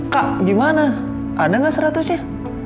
kak gimana ada gak seratusnya